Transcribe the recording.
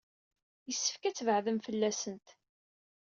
Yessefk ad tbeɛɛdem fell-asent.